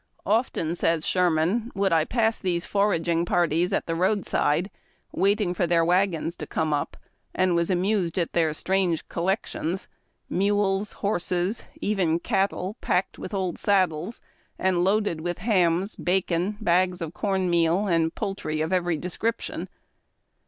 " Often," says Sherman, '' would I pass these foraging parties at the roadside, waiting for their wagons to come up, and was amused at their strange collections —■ mules, horses, even cattle packed with old saddles, and loaded with hams, bacon, bags of corn ineal, and poultry of every description.